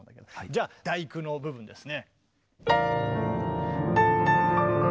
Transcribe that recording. じゃ「第九」の部分ですね。